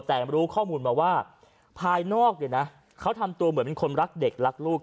แต่รู้ข้อมูลมาว่าภายนอกเนี่ยนะเขาทำตัวเหมือนเป็นคนรักเด็กรักลูก